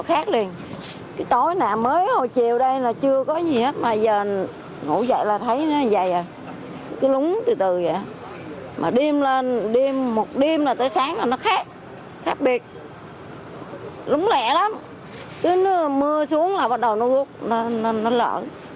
khác biệt lúng lẹ lắm chứ mưa xuống là bắt đầu nó lỡ